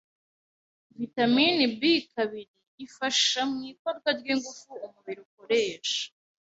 Vitamini B kabiri ifasha mu ikorwa ry’ingufu umubiri ukoresha,